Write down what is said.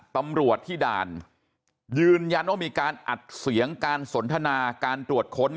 ตำรวจที่ด่านยืนยันว่ามีการอัดเสียงการสนทนาการตรวจค้น